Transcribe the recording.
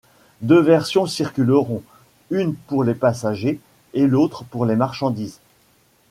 Deux versions circuleront, une pour les passagers et l'autre pour les marchandises.